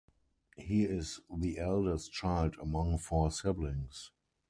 He is the eldest child among four siblings.